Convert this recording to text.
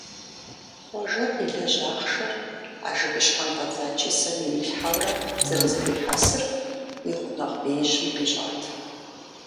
Хъуэжэ къилэжь ахъшэр а жыгыщхьэм фӀэдза чысэм ирилъхьэурэ зэрызэхуихьэсыр и гъунэгъу беижьым къищӀат.